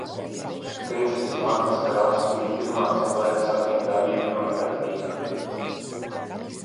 Princeses Martas krasts bija pirmā cilvēka sasniegtā vieta Antarktīdā.